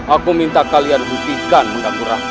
aku minta kalian hentikan mengganggu rakyat